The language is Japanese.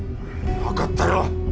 分かったよ！